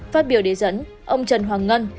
phát biểu đề dẫn ông trần hoàng ngân